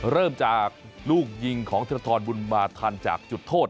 เริ่มจากลูกยิงของธิรทรบุญมาทันจากจุดโทษ